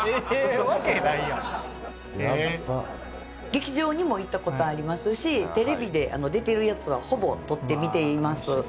ヤッバ劇場にも行ったことありますしテレビで出てるやつはほぼとって見ています